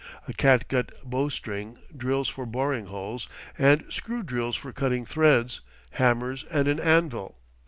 A catgut bowstring drills for boring holes, and screw drills for cutting threads, hammers, and an anvil.